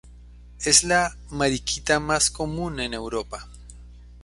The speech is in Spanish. Es la mariquita más común en Europa.